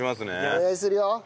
お願いするよ。